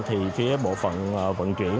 thì phía bộ phận vận chuyển